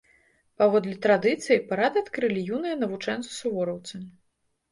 Паводле традыцыі, парад адкрылі юныя навучэнцы-сувораўцы.